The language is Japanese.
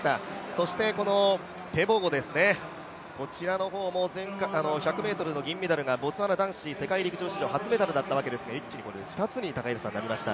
そしてこのテボゴも全体会の１００ｍの銀メダルがボツワナ男子世界陸上史上初メダルだったわけですが一気にこれで２つになりました。